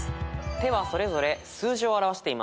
手はそれぞれ数字を表しています。